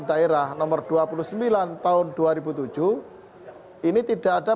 daerah nomor dua puluh sembilan tahun dua ribu tujuh ini tidak ada